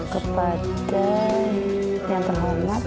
kepada yang terhormat